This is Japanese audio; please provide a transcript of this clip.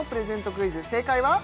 クイズ正解は？